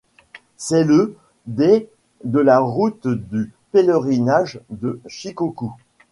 C'est le des de la route du pèlerinage de Shikoku.